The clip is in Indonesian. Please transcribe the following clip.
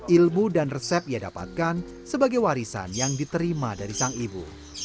ilmu dan resep ia dapatkan sebagai warisan yang diterima dari sang ibu